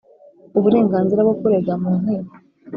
Uburenganzira bwo kurega mu nkiko